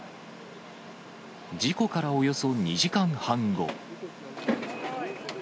事故からおよそ２時間半後。